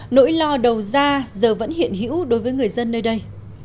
nỗi lo đầu ra giờ vẫn hiện hữu đối với người dân nơi đây